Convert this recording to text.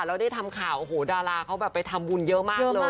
แล้วได้ทำข่าวโอ้โหดาราเขาแบบไปทำบุญเยอะมากเลย